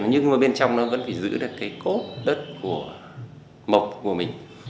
nhưng mà bên trong nó vẫn phải giữ được cái cốt đất của mộc của mình